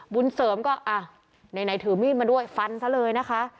บุญเสริมก็อ่ะไหนถือมีดมาด้วยฟันซะเลยนะคะ